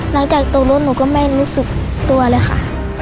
น้องจักรตกรถหนูก็ไม่รู้สึกตัวเลยค่ะ